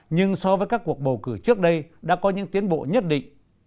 nhưng so với các cuộc bầu cử trước đây đã có những tiến bộ nhất định